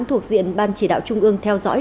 thuộc diện ban chỉ đạo trung ương theo dõi